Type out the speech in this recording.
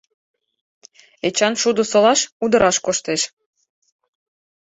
Эчан шудо солаш, удыраш коштеш.